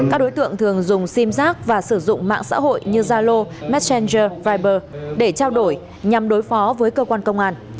các đối tượng thường dùng sim giác và sử dụng mạng xã hội như zalo messenger viber để trao đổi nhằm đối phó với cơ quan công an